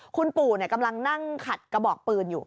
คุณปู่เนี่ยกำลังกับหนั้งขัดกระบอกปืนอยู่